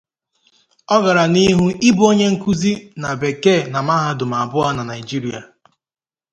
Ọ gara n'ihu ịbụ onye nkụzi na Bekee na mahadum abụọ na Nigeria.